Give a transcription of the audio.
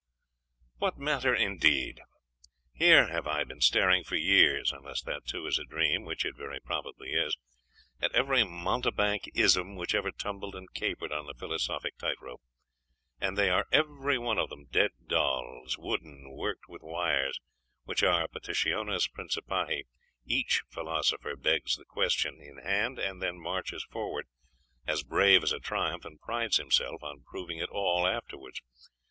'What matter indeed? Here have I been staring for years unless that, too, is a dream, which it very probably is at every mountebank "ism" which ever tumbled and capered on the philosophic tight rope; and they are every one of them dead dolls, wooden, worked with wires, which are petitiones principii.... Each philosopher begs the question in hand, and then marches forward, as brave as a triumph, and prides himself on proving it all afterwards.